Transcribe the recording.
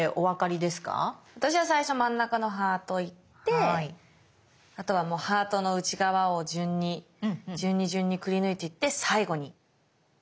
私は最初真ん中のハート行ってあとはハートの内側を順に順に順にくりぬいていって最後にバッと落とそうかなと。